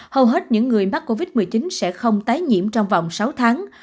hầu hết những người mắc covid một mươi chín sẽ không tái nhiễm trong vòng sáu tháng